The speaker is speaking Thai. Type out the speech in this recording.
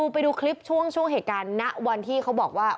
ไปดูคลิปช่วงเหตุการณ์ณวันที่เขาบอกว่า